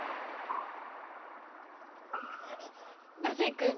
亜生君